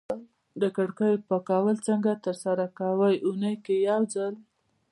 د کړکیو پاکول څنګه ترسره کوی؟ اونۍ کی یوځل